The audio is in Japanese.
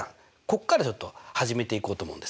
ここからちょっと始めていこうと思うんですね。